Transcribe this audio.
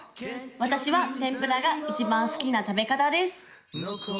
私は天ぷらが一番好きな食べ方です